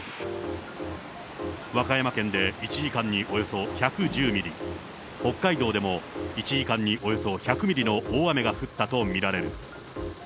和歌山県で１時間におよそ１１０ミリ、北海道でも１時間におよそ１００ミリの大雨が降ったと見られる。